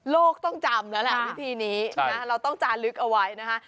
โลกต้องจำแล้วแหละวิธีนี้นะเราต้องจาลึกเอาไว้นะคะ